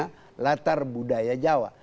jokowi yang punya latar budaya jawa